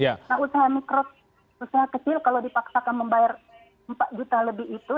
nah usaha mikro usaha kecil kalau dipaksakan membayar empat juta lebih itu